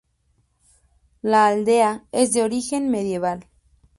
La aldea es de origen medieval.